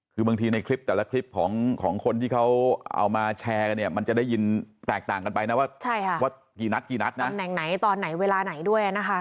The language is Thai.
คือบางทีในคลิปแต่ละคลิปของคนที่เขาเอามาแชร์กันเนี่ยมันจะได้ยินแตกต่างกันไปนะว่ากี่นัดกี่นัดนะตำแหน่งไหนตอนไหนเวลาไหนด้วยนะคะ